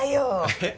えっ？